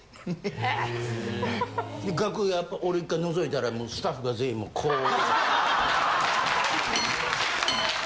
・へぇ・楽屋俺一回のぞいたらもうスタッフが全員こう。